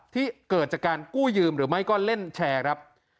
ที่เกิดจากการกู้ยืมหรือไม่ก็เล่นแชร์ครับ